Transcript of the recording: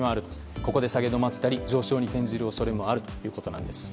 ここで下げ止まったり上昇に転じる恐れもあるということです。